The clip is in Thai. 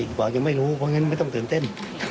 กว่ายังไม่รู้เพราะงั้นไม่ต้องตื่นเต้น